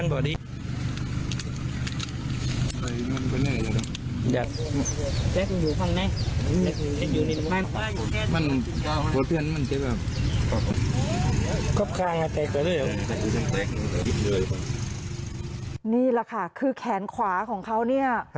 นี่แหละค่ะคือแขนขวาของเขาเนี่ย